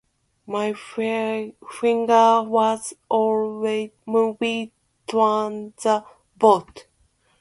My finger was already moving towards the button.